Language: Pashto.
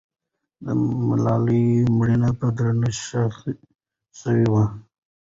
د ملالۍ مړی په درنښت ښخ سوی دی.